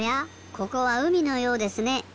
ここはうみのようですね。